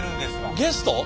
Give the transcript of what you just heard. ゲスト！